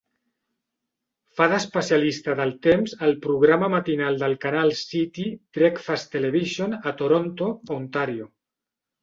Fa d'"especialista del temps" al programa matinal del canal City "Breakfast Television" a Toronto, Ontàrio.